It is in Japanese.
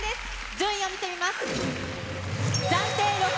順位を見てみます。